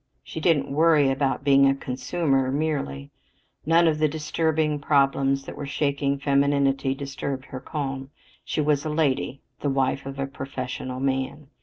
She didn't worry about being a "consumer" merely. None of the disturbing problems that were shaking femininity disturbed her calm. She was "a lady," the "wife of a professional man."